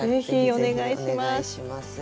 ぜひお願いします。